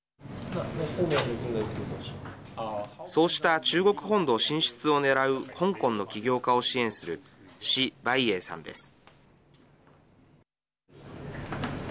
そうした中国本土進出を狙う香港の起業家を支援する施培營さんです。